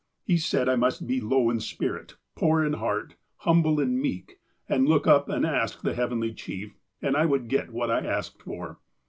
''He said I must be low in spirit, poor in heart, humble and meek, and look up and ask the Heavenly Chief, and I would get what I asked him for."